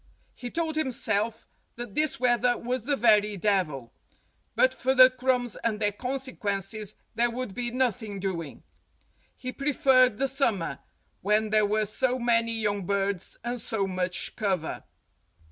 He told himself that this weather was the very devil. But for the crumbs and their consequences there would be nothing doing. He preferred the summer, when there were so many young birds and so much cover.